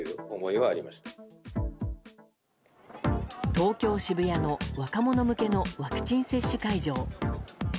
東京・渋谷の若者向けのワクチン接種会場。